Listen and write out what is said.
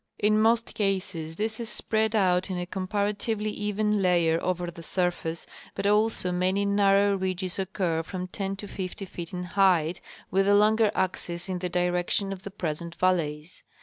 In most cases this is spread out in a comparatively even layer over the surface, but also many narrow ridges occur from ten to fifty feet in height, with the longer axes in the direc tion of the present valleys.